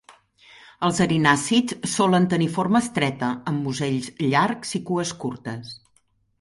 Els erinàcids solen tenir forma estreta, amb musells llargs i cues curtes.